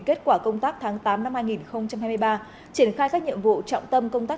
kết quả công tác tháng tám năm hai nghìn hai mươi ba triển khai các nhiệm vụ trọng tâm công tác